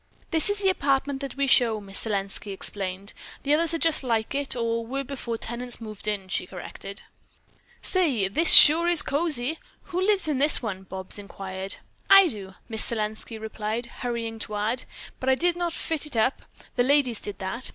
"This is the apartment that we show," Miss Selenski explained. "The others are just like it, or were, before tenants moved in," she corrected. "Say, this is sure cosy! Who lives in this one?" Bobs inquired. "I do," Miss Selenski replied, hurrying to add, "But I did not fit it up. The ladies did that.